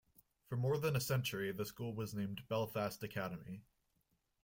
For more than a century the school was named "Belfast Academy".